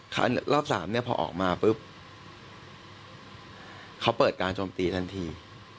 รอบสามเนี่ยพอออกมาปุ๊บเขาเปิดการโจมตีทันที